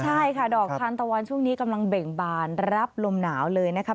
ใช่ค่ะดอกทานตะวันช่วงนี้กำลังเบ่งบานรับลมหนาวเลยนะครับ